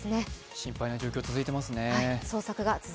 心配な状況が続いていますね。